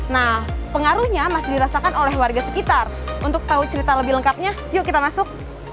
nah pengaruhnya masih dirasakan oleh warga sekitar untuk tahu cerita lebih lengkapnya yuk kita masuk